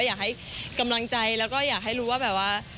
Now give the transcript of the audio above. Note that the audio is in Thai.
อยากให้กำลังใจแล้วก็อยากให้รู้ว่าแบบว่า